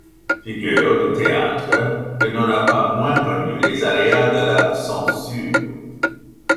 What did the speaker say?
Figure du théâtre, il n'en a pas moins connu les aléas de la censure.